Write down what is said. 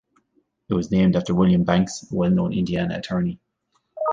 It was named after William Banks, a well-known Indiana attorney.